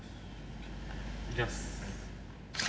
いきます。